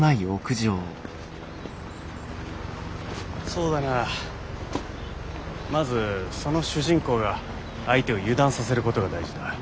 そうだなまずその主人公が相手を油断させることが大事だ。